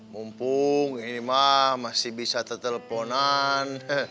mumpung ini mas masih bisa teteleponan